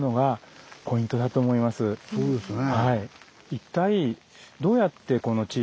そうですね。